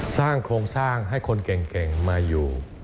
สร้างโครงสร้างให้คนเก่งมาอยู่